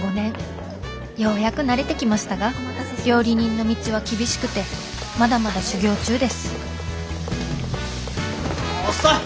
ようやく慣れてきましたが料理人の道は厳しくてまだまだ修業中です遅い！